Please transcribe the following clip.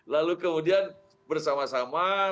lalu kemudian bersama sama